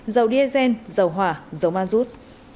dầu diesel dầu hỏa dầu ma rút